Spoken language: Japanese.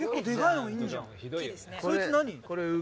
そいつ何？